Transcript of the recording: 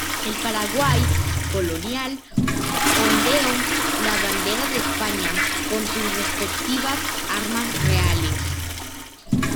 El Paraguay colonial ondeó la Bandera de España, con sus respectivas armas reales.